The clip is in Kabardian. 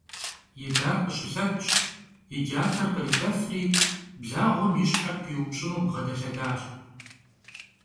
Yidar khışılhetş, yi cater khrilhefri blağuem yi şher piupş'ınu bğedelhedaş.